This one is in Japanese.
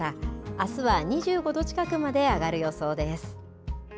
あすは２５度近くまで上がる予想です。